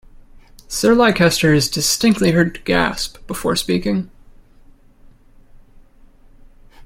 Sir Leicester is distinctly heard to gasp before speaking.